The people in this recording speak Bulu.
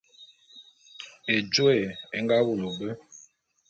Ejôé é nga wulu be.